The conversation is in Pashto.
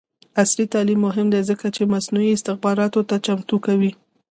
عصري تعلیم مهم دی ځکه چې مصنوعي استخباراتو ته چمتو کوي.